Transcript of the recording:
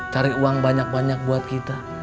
cari uang banyak banyak buat kita